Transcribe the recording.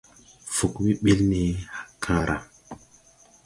Fug we ɓil ne kããra.